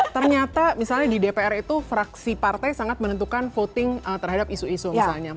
ternyata misalnya di dpr itu fraksi partai sangat menentukan voting terhadap isu isu misalnya